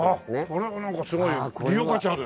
これはなんかすごい利用価値あるね。